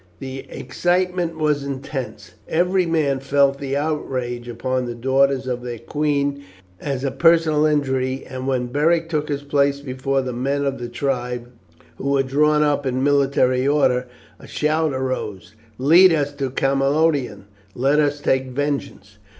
The excitement was intense. Every man felt the outrage upon the daughters of their queen as a personal injury, and when Beric took his place before the men of the tribe, who were drawn up in military order, a shout arose: "Lead us to Camalodunum! Let us take vengeance!"